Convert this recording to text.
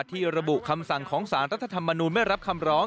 ที่ระบุคำสั่งของสารรัฐธรรมนูลไม่รับคำร้อง